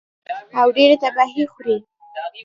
او ډېرې تباهۍ خوروي